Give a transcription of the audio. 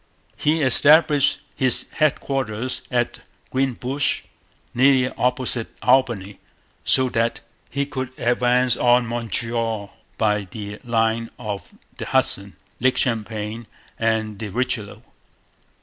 He established his headquarters at Greenbush, nearly opposite Albany, so that he could advance on Montreal by the line of the Hudson, Lake Champlain, and the Richelieu.